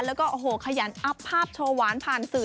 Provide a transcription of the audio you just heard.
แล้วก็โอ้โหขยันอัพภาพโชว์หวานผ่านสื่อ